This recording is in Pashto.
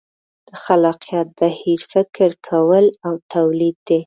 د خلاقیت بهیر فکر کول او تولید دي.